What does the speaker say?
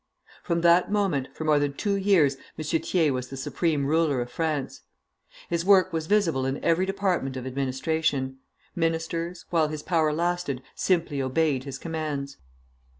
From that moment, for more than two years, M. Thiers was the supreme ruler of France. His work was visible in every department of administration. Ministers, while his power lasted, simply obeyed his commands.